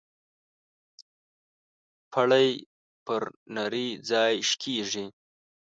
پړى پر نري ځاى شکېږي.